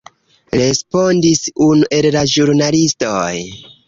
respondis unu el la ĵurnalistoj.